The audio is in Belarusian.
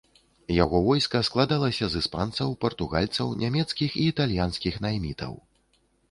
Яго войска складалася з іспанцаў, партугальцаў, нямецкіх і італьянскіх наймітаў.